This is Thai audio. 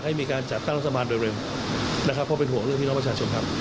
เค้ากลับจะจะตั้งดนตราโดยเร็วแล้วยังไง